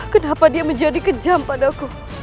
kenapa dia menjadi kejam padaku